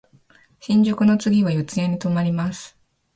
新宿の次は四谷に止まります。